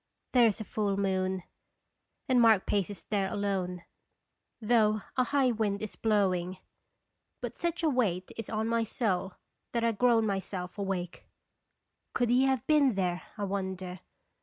There is a full moon, and Mark paces there alone, though a high wind is blowing. But such a weight is on my soul that I groan myself awake. (Could he have been there, I wonder?